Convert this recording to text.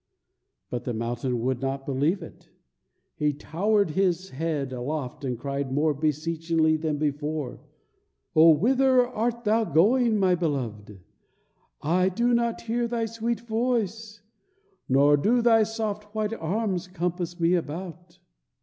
But the mountain would not believe it. He towered his head aloft and cried more beseechingly than before: "Oh, whither art thou going, my beloved? I do not hear thy sweet voice, nor do thy soft white arms compass me about."